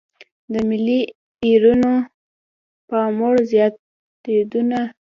د ملي ايرونو پاموړ زياتېدنې.